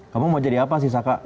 kamu mau jadi apa sih saka